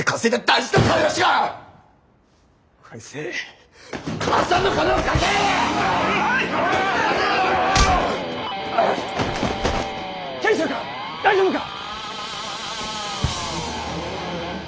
大丈夫か？